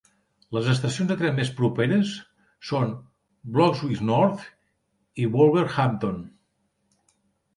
Les estacions de tren més properes són Bloxwich North i Wolverhampton.